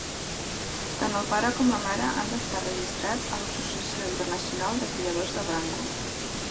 Tant el pare com la mare han d'estar registrats a l'Associació internacional de criadors de Brangus.